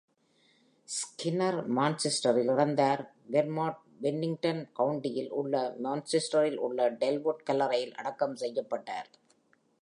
Skinner மான்செஸ்டரில் இறந்தார், Vermont Bennington கவுண்டியில் உள்ள மான்செஸ்டரில் உள்ள டெல்வுட் கல்லறையில் அடக்கம் செய்யப்பட்டார்.